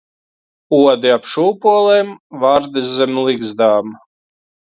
Odi ap šūpolēm, vardes zem ligzdām.